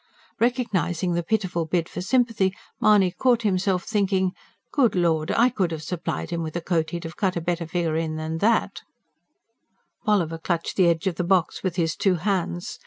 Recognising the pitiful bid for sympathy, Mahony caught himself thinking: "Good Lord! I could have supplied him with a coat he'd have cut a better figure than that in." Bolliver clutched the edge of the box with his two hands.